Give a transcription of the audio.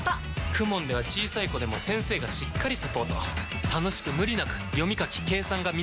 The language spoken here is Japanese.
ＫＵＭＯＮ では小さい子でも先生がしっかりサポート楽しく無理なく読み書き計算が身につきます！